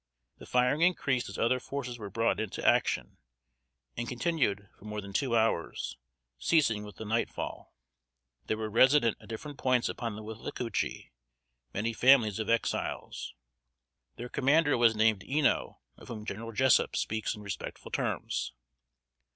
The firing increased as other forces were brought into action, and continued for more than two hours, ceasing with the nightfall. There were resident at different points upon the Withlacoochee many families of Exiles. Their commander was named "Ino" of whom General Jessup speaks in respectful terms.